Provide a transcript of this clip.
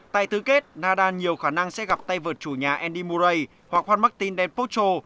tại tứ kết nadal nhiều khả năng sẽ gặp tây vợt chủ nhà andy murray hoặc juan martin del pocho